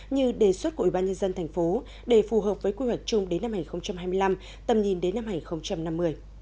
như đề xuất của ủy ban nhân dân thành phố để phù hợp với quy hoạch chung đến năm hai nghìn hai mươi năm tầm nhìn đến năm hai nghìn năm mươi